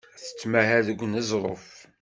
Tettmahal deg uneẓruf.